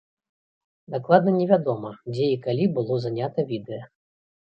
Дакладна невядома, дзе і калі было знята відэа.